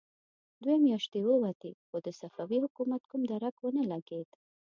دوې مياشتې ووتې، خو د صفوي حکومت کوم درک ونه لګېد.